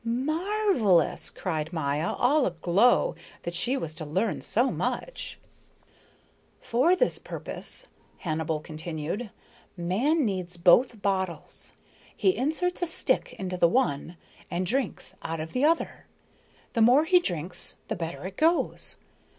"Marvelous!" cried Maya, all a glow that she was to learn so much. "For this purpose," Hannibal continued, "man needs both bottles. He inserts a stick into the one and drinks out of the other. The more he drinks, the better it goes.